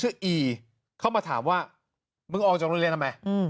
อีเข้ามาถามว่ามึงออกจากโรงเรียนทำไม